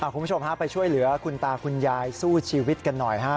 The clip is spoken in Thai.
คุณผู้ชมฮะไปช่วยเหลือคุณตาคุณยายสู้ชีวิตกันหน่อยฮะ